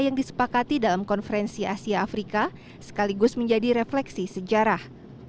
yang disepakati dalam konferensi asia afrika sekaligus menjadi refleksi sejarah